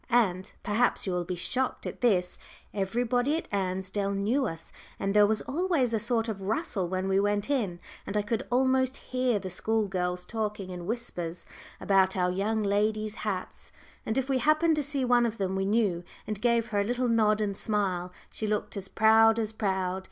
And perhaps you will be shocked at this everybody at Ansdell knew us, and there was always a little sort of rustle when we went in, and I could almost hear the school girls talking in whispers about "our young ladies' hats;" and if we happened to see one of them we knew, and gave her a little nod and smile, she looked as proud as proud!